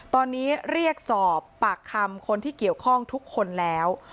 ตอนนี้เรียกสอบปากคำคนที่เกี่ยวข้องทุกคนแล้ว